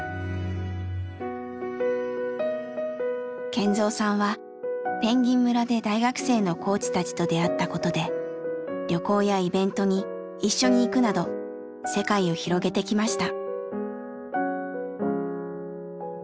健三さんはぺんぎん村で大学生のコーチたちと出会ったことで旅行やイベントに一緒に行くなど世界を広げてきました。